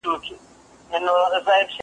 زه اوس د زده کړو تمرين کوم!!